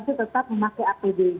itu tetap memakai apd